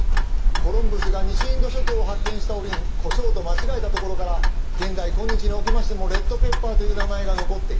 コロンブスが西インド諸島を発見した折にコショウと間違えたところから現代今日におきましてもレッドペッパーという名前が残っている。